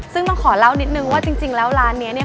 ซึ่งต้องขอเล่านิดนึงว่าจริงแล้วร้านนี้เนี่ย